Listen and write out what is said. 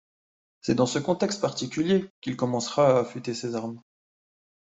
C'est dans ce contexte particulier qu'il commencera à affûter ses armes.